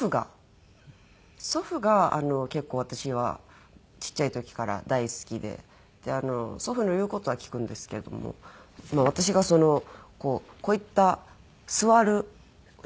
祖父が結構私はちっちゃい時から大好きで祖父の言う事は聞くんですけれども私がこういった座る仕事の時にですね